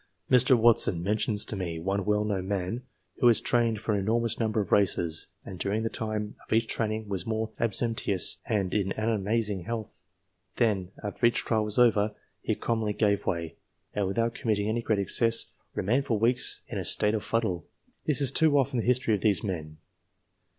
Mr. Watson mentions to me one well known man, who has trained for an enormous number of races, and during the time of each training was most abstemious and in amazing health ; then, after each trial was over, he commonly gave way, and without committing any great excess, remained for weeks in a state of fuddle. This is too often the history of these men.